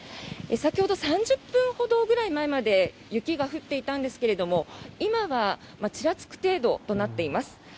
先ほど３０分ほどぐらい前まで雪が降っていたんですが今はちらつく程度となっています。